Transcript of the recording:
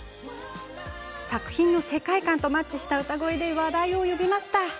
作品の世界観とマッチした歌声で話題を呼びました。